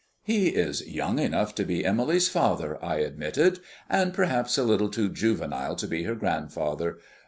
"He is young enough to be Emily's father," I admitted, "and perhaps a little too juvenile to be her grandfather.